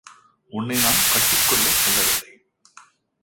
உன்னை நான் கட்டிக் கொள்ளச் சொல்லவில்லை.